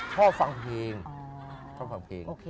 ชอบฟังเพลงชอบฟังเพลง